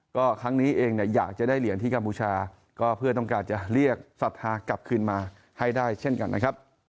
ก็ครั้งนี้เองเนี่ยอยากจะได้เหรียญที่กัมพูชาก็เพื่อต้องการจะเรียกศรัทธากลับคืนมาให้ได้เช่นกันนะครับ